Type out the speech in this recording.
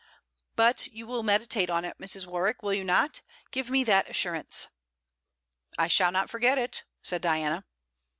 'But you will meditate on it, Mrs. Warwick, will you not? Give me that assurance!' 'I shall not forget it,' said Diana.